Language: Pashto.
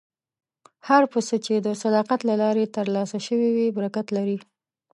هره پیسه چې د صداقت له لارې ترلاسه شوې وي، برکت لري.